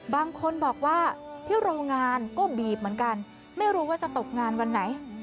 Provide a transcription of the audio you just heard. บางคนบอกว่าที่โรงงานก็บีบเหมือนกันไม่รู้ว่าจะตกงานวันไหน